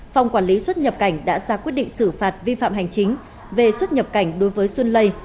phòng quản lý xuất nhập cảnh đã ra quyết định xử phạt vi phạm hành chính về xuất nhập cảnh đối với xuân lây